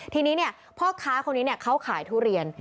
ทีนี้พ่อค้าคนนี้เขาขายทุเรียน